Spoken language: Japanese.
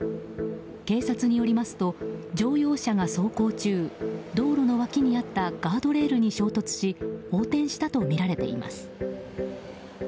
警察によりますと乗用車が走行中道路の脇にあったガードレールに衝突し横転したとみられています。